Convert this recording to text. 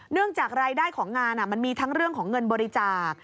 จากรายได้ของงานมันมีทั้งเรื่องของเงินบริจาค